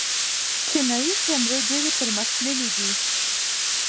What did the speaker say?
چینايي کیمرې ډېرې پرمختللې دي.